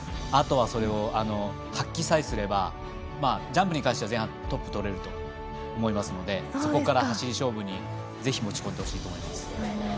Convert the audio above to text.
あとは、それを発揮さえすればジャンプに関しては前半トップとれると思いますのでそこから走り勝負に持ち込んでほしいと思います。